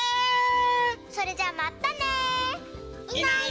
それじゃあまったね！